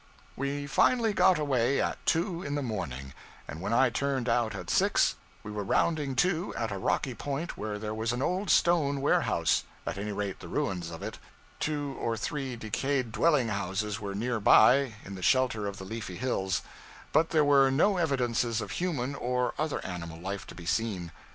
We finally got away at two in the morning, and when I turned out at six, we were rounding to at a rocky point where there was an old stone warehouse at any rate, the ruins of it; two or three decayed dwelling houses were near by, in the shelter of the leafy hills; but there were no evidences of human or other animal life to be seen.